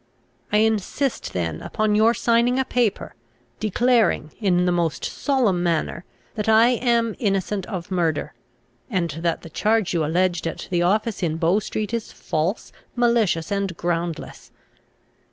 "I insist then upon your signing a paper, declaring, in the most solemn manner, that I am innocent of murder, and that the charge you alleged at the office in Bow street is false, malicious, and groundless.